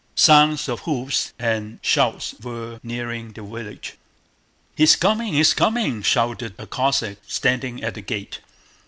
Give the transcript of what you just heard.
Sounds of hoofs and shouts were nearing the village. "He's coming! He's coming!" shouted a Cossack standing at the gate.